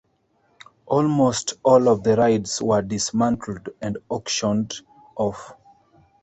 Almost all of the rides were dismantled and auctioned off.